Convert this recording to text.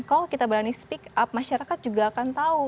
kalau kita berani speak up masyarakat juga akan tahu